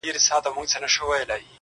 ژوند د وېري سيوري للاندي دی,